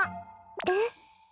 えっ？